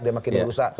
dia makin rusak